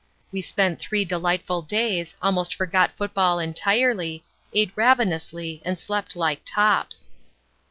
We spent three delightful days, almost forgot football entirely, ate ravenously and slept like tops.